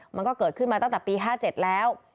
มันก็เกิดขึ้นมาตั้งแต่ปี๕๗แล้ว